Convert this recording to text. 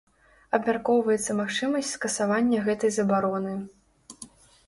Абмяркоўваецца магчымасць скасавання гэтай забароны.